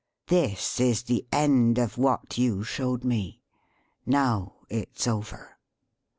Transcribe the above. This is the end of what you showed me. Now, it's over!"